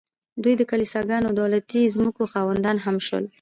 دوی د کلیساګانو او دولتي ځمکو خاوندان هم شول